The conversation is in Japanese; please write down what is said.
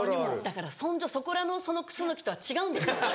だからそんじょそこらのそのクスノキとは違うんですよ。